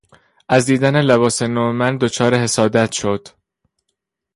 از دیدن لباس نو من دچار حسادت شد.